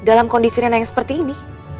dalam kondisi rena yang seperti ini